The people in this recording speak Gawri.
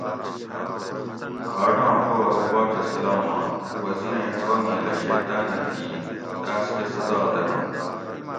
کھاٹاں پو ارو باچہ سلامات وزیریں کانگیلہ شیطانہ دیت تاسکہ سزا دہ نہ